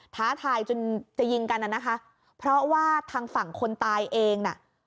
ท้าทายจนจะยิงกันน่ะนะคะเพราะว่าทางฝั่งคนตายเองน่ะ